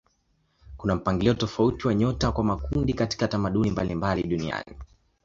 Kuna mpangilio tofauti wa nyota kwa makundi katika tamaduni mbalimbali duniani.